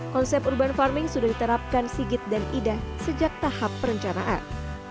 konsep urban farming sudah diterapkan sigit dan ida sejak tahap perencanaan